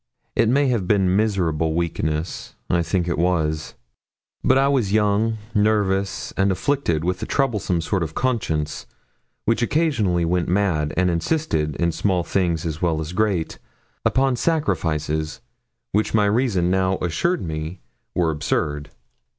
It may have been miserable weakness I think it was. But I was young, nervous, and afflicted with a troublesome sort of conscience, which occasionally went mad, and insisted, in small things as well as great, upon sacrifices which my reason now assures me were absurd.